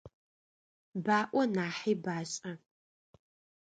Баӏо нахьи башӏэ.